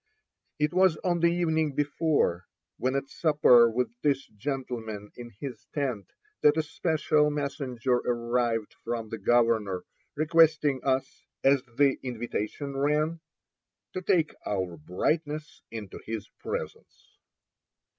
It was on the evening before, when at supper with this gentleman in his tent, that a special messenger arrived from the governor, requesting us, as the invitation ran, "to take our brightness into his presence."